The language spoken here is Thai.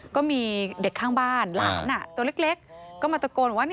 ก็มีเด็กข้างบ้านหลานตัวเล็กก็มาตะโกนว่า